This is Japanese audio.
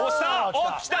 おっきた。